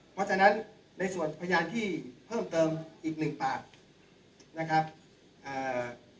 เพราะฉะนั้นในส่วนพยานที่เพิ่มเติมอีกหนึ่งปากนะครับอ่า